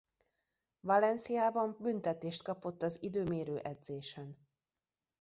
Valenciában büntetést kapott az időmérő edzésen.